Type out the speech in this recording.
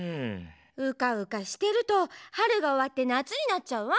うかうかしてると春がおわって夏になっちゃうわ。